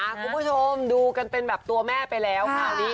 อ่าคุณผู้ชมดูกันเป็นแบบตัวแม่ไปแล้ว